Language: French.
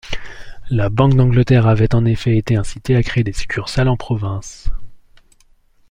La Banque d'Angleterre avait en effet été incitée à créer des succursales en province.